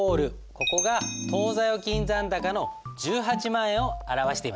ここが当座預金残高の１８万円を表しています。